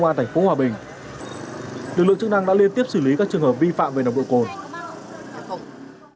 vi phạm về nồng độ cồn